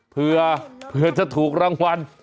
เพื่อเพื่อจะถูกรางวัล